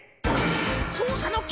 そうさのき